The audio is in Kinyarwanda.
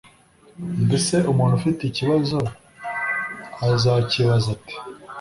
Mbese umuntu ufite ikibazo azakibaza ate